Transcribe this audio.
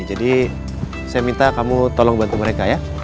jadi saya minta kamu tolong bantu mereka ya